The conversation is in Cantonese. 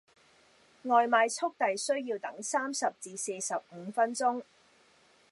外賣速遞需要等三十至四十五分鐘